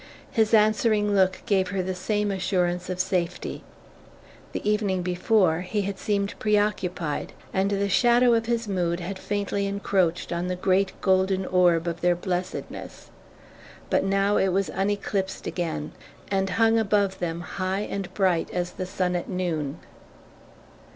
His answering look gave her the same assurance of safety. The evening before he had seemed preoccupied, and the shadow of his mood had faintly encroached on the great golden orb of their blessedness; but now it was uneclipsed again, and hung above them high and bright as the sun at noon.